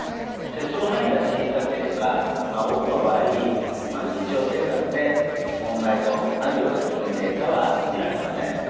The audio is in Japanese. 切除範囲が小さければ多くの場合日常生活で問題となるような機能低下は見られません。